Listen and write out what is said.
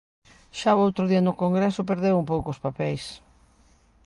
Xa o outro día no Congreso perdeu un pouco os papeis.